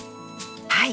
はい。